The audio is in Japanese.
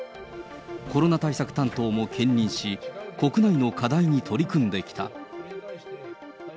コロナ対策担当も兼任し、国内の課題に取り組んできた。